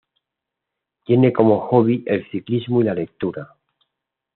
Tiene como hobby el ciclismo y la lectura.